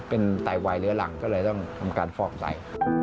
เป็นไตวายเหลือหลังก็เลยต้องทำการฟอกไต